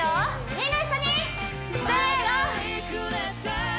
みんな一緒にせの！